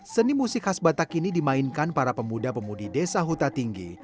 seni musik khas batak ini dimainkan para pemuda pemudi desa huta tinggi